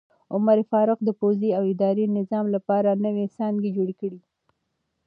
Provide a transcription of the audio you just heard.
عمر فاروق د پوځي او اداري نظام لپاره نوې څانګې جوړې کړې.